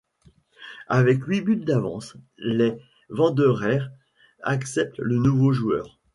Avec huit buts d'avance, les Wanderers acceptent le nouveau joueur.